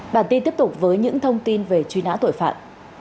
bản tin tiếp tục với những thông tin về truy nã tội phạm